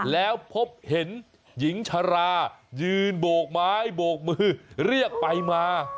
แล้วพบเห็นหญิงชรายืนโบกไม้โบกมือเรียกไปมา